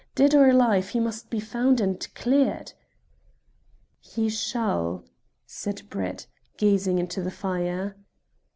Dead or alive, he must be found, and cleared." "He shall," said Brett, gazing into the fire.